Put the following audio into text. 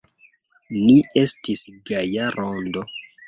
Ni estis gaja rondo.